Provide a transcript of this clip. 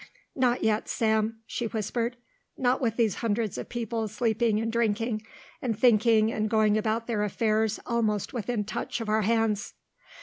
"Not yet, Sam," she whispered, "not with these hundreds of people sleeping and drinking and thinking and going about their affairs almost within touch of our hands."